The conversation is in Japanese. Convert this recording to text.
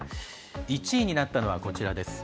１位になったのはこちらです。